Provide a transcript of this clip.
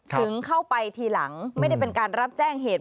ถึงเข้าไปทีหลังไม่ได้เป็นการรับแจ้งเหตุ